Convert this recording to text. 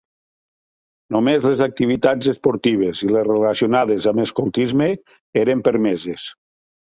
Només les activitats esportives i les relacionades amb escoltisme eren permeses.